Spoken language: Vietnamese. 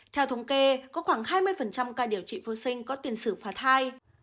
theo thống kê có khoảng hai mươi ca điều trị vô sinh có tiền xử phá thai